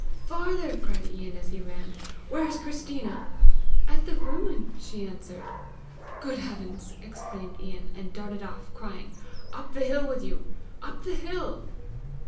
farther!" cried Ian as he ran. "Where is Christina?" "At the ruin," she answered. "Good heavens!" exclaimed Ian, and darted off, crying, "Up the hill with you! up the hill!"